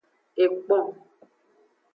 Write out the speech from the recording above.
Ekpon.